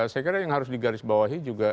saya kira yang harus digarisbawahi juga